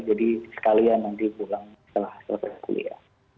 jadi sekalian nanti pulang setelah kuliah